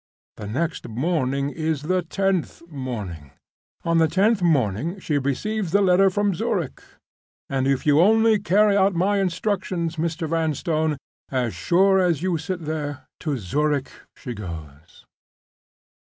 The next morning is the tenth morning. On the tenth morning she receives the letter from Zurich; and if you only carry out my instructions, Mr. Vanstone, as sure as you sit there, to Zurich she goes."